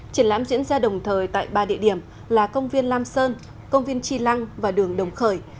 triển lãm diễn ra đồng thời tại ba địa điểm là công viên lam sơn công viên tri lăng và đường đồng khởi